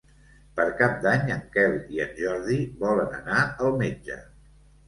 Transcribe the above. Per Cap d'Any en Quel i en Jordi volen anar al metge.